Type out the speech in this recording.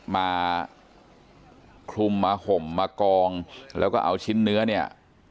มาคลุมมาห่มมากองแล้วก็เอาชิ้นเนื้อเนี่ย